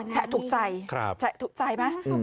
แฉะถูกใจแฉะถูกใจไหม